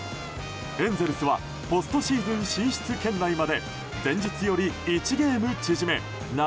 エンゼルスはポストシーズン進出圏内まで前日より１ゲーム縮め７